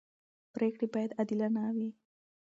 پرېکړې باید عادلانه وي